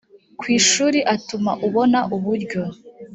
ku ishuri atuma ubona uburyo